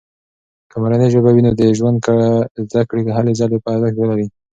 که مورنۍ ژبه وي، نو د زده کړې هلې ځلې به ارزښت ولري.